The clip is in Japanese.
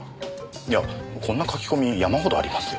いやこんな書き込み山ほどありますよ。